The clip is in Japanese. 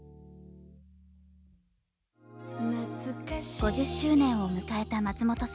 ５０周年を迎えた松本さんへ。